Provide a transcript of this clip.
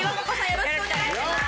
よろしくお願いします。